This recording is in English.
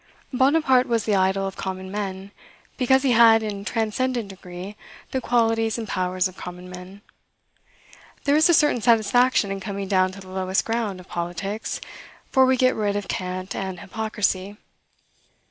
Bonaparte was the idol of common men, because he had in transcendent degree the qualities and powers of common men. There is a certain satisfaction in coming down to the lowest ground of politics, for we get rid of cant and hypocrisy.